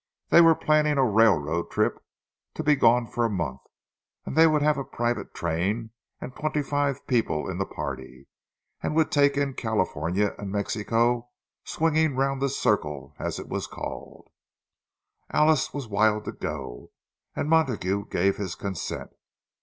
They were planning a railroad trip—to be gone for a month; they would have a private train, and twenty five people in the party, and would take in California and Mexico—"swinging round the circle," as it was called. Alice was wild to go, and Montague gave his consent.